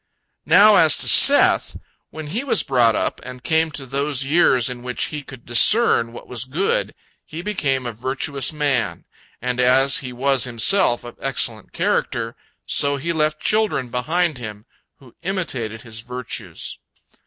Now as to Seth. When he was brought up, and came to those years in which he could discern what was good, he became a virtuous man, and as he was himself of excellent character, so he left children behind him who imitated his virtues.